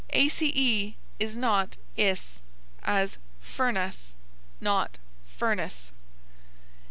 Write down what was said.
ace, is not iss, as furnace, not furniss.